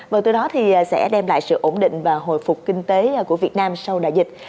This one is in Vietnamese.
và từ đó thì sẽ đem lại sự ổn định và hồi phục kinh tế của việt nam sau đại dịch